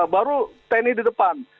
baru tni di depan